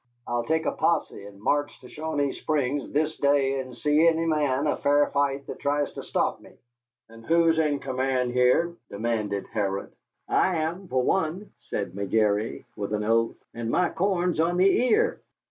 I'll take a posse and march to Shawanee Springs this day, and see any man a fair fight that tries to stop me." "And who's in command here?" demanded Harrod. "I am, for one," said McGary, with an oath, "and my corn's on the ear.